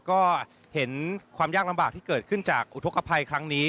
ก็เห็นความยากลำบากที่เกิดขึ้นจากอุทธกภัยครั้งนี้